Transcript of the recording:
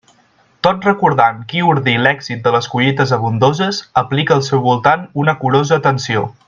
Tot recordant qui ordí l'èxit de les collites abundoses, aplica al seu voltant una curosa atenció.